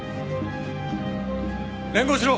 連行しろ！